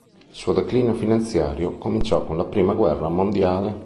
Il suo declino finanziario cominciò con la prima guerra mondiale.